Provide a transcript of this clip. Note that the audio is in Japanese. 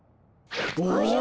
おじゃ！